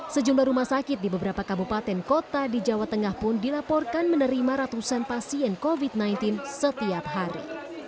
sejumlah rumah sakit di beberapa kabupaten kota di jawa tengah pun dilaporkan menerima ratusan pasien covid sembilan belas setiap hari